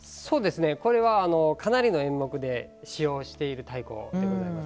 これは、かなりの演目で使用している太鼓でございます。